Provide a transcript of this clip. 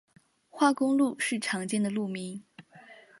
化工路是常见的路名。